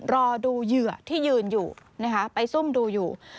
รอดูเหยื่อที่ยืนอยู่นะคะไปซุ่มดูอยู่